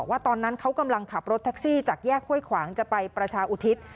ตอนนั้นเขากำลังขับรถแท็กซี่จากแยกห้วยขวางจะไปประชาอุทิศ